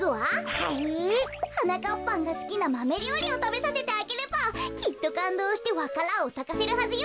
はい？はなかっぱんがすきなマメりょうりをたべさせてあげればきっとかんどうしてわか蘭をさかせるはずよ。